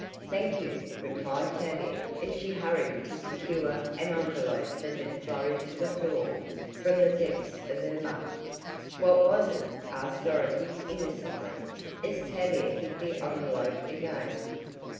"Thank you," replied Tavia as she hurried to secure an envelope that had flurried to the floor from the depths of her muff. "What was it?" asked Dorothy innocently, as Tavia hid the envelope again.